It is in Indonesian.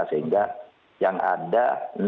sehingga yang ada enam ratus delapan puluh enam